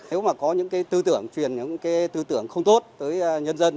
nếu mà có những tư tưởng truyền những tư tưởng không tốt tới nhân dân